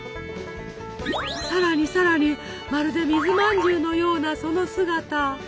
さらにさらにまるで水まんじゅうのようなその姿。